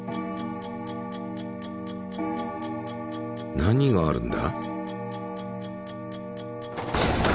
何があるんだ？